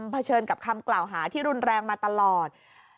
เฉินกับคำกล่าวหาที่รุนแรงมาตลอด